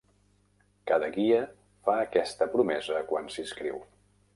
Cada guia fa aquesta promesa quan s'inscriu.